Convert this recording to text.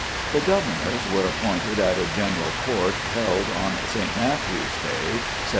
The governors were appointed at a general court held on St. Matthew's Day (Sept.